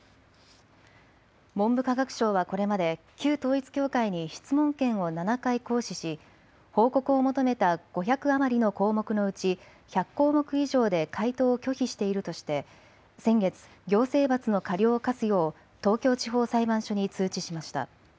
文部科学省はこれまで旧統一教会に質問権を７回行使し報告を求めた５００余りの項目のうち１００項目以上で回答を拒否しているとして先月、行政罰の過料を科すよう東京地方裁判所に通知しました。